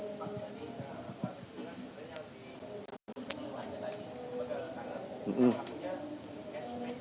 apakah punya sp tiga dari kit yang merasa mentalis